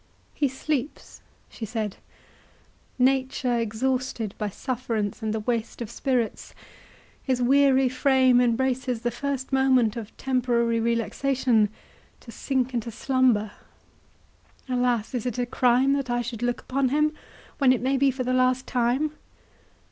"He sleeps," she said; "nature exhausted by sufferance and the waste of spirits, his wearied frame embraces the first moment of temporary relaxation to sink into slumber. Alas! is it a crime that I should look upon him, when it may be for the last time?